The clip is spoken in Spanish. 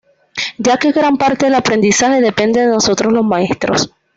Ya que gran parte del aprendizaje depende de nosotros los maestros.